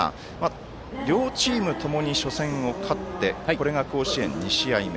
両チームともに、初戦勝ってこれが甲子園２試合目。